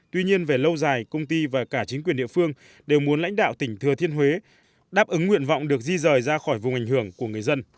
tuy nhiên về lâu dài công ty và cả chính quyền địa phương đều muốn lãnh đạo tỉnh thừa thiên huế đáp ứng nguyện vọng được di rời ra khỏi vùng ảnh hưởng của người dân